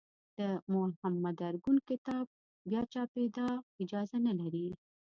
د محمد ارکون کتاب بیا چاپېدا اجازه نه لري.